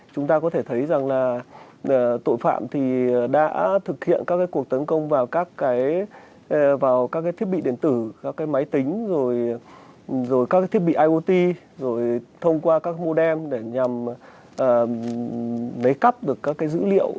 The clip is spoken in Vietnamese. chúng ta có thể thấy rằng là tội phạm thì đã thực hiện các cái cuộc tấn công vào các cái thiết bị điện tử các cái máy tính rồi các cái thiết bị iot rồi thông qua các cái modem để nhằm lấy cắp được các cái dữ liệu của phía người dùng